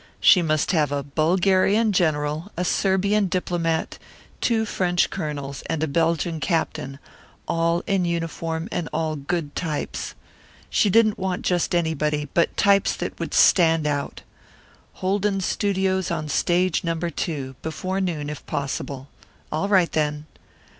She must have a Bulgarian general, a Serbian diplomat, two French colonels, and a Belgian captain, all in uniform and all good types. She didn't want just anybody, but types that would stand out. Holden studios on Stage Number Two. Before noon, if possible. All right, then.